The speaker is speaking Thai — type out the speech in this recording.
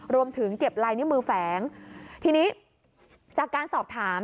เก็บลายนิ้วมือแฝงทีนี้จากการสอบถาม